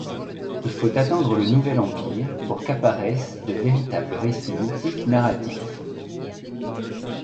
Il faut attendre le Nouvel Empire pour qu'apparaissent de véritables récits mythiques narratifs.